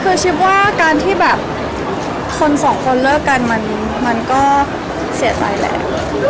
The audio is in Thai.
คือชิปว่าการที่แบบคนสองคนเลิกกันมันก็เสียใจแหละ